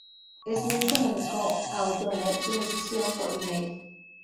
Smith comunicó a O'Donnell su decisión por e-mail.